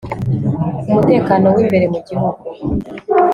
umutekano w imbere mu Gihugu